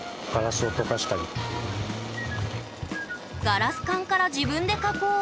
ガラス管から自分で加工。